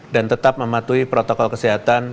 dan tetap mematuhi protokol kesehatan